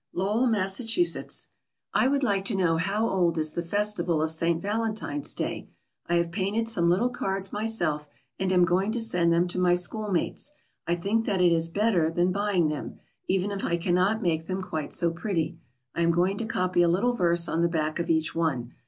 LOWELL, MASSACHUSETTS. I would like to know how old is the festival of St. Valentine's Day. I have painted some little cards myself, and am going to send them to my school mates. I think that is better than buying them, even if I can not make them quite so pretty. I am going to copy a little verse on the back of each one.